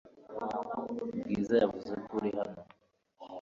Bwiza yavuze ko uri hano .